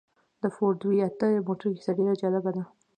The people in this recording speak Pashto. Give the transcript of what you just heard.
د فورډ وي اته موټر کيسه ډېره جالبه ده.